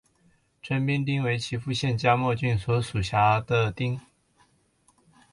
川边町为岐阜县加茂郡所辖的町。